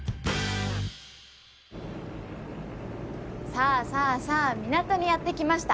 さあさあさあ港にやって来ました。